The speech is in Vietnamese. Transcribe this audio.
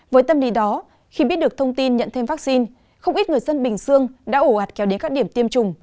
với tâm lý đó khi biết được thông tin nhận thêm vaccine không ít người dân bình dương đã ổ ạt kéo đến các điểm tiêm chủng